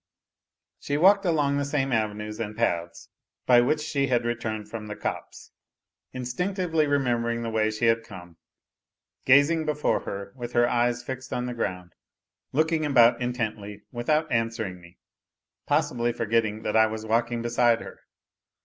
She walked along the same avenues and paths by which she had returned from the copse, instinctively remembering the way she had come, gazing before her with her eyes fixed on the ground, looking about intently without answering me, possibly forgetting that I was walking beside her.